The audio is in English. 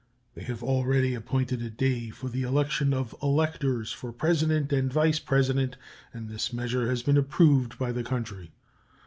They have already appointed a day for the election of electors for President and Vice President, and this measure has been approved by the country.